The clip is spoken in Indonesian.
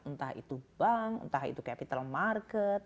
entah itu bank entah itu capital market